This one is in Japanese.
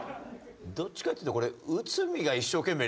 どっちかっていうとこれ。